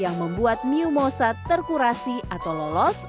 yang membuat new mosa terkurasi atau lolos